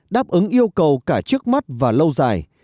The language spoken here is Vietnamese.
đáp ứng yêu cầu cả trước mắt và lâu dài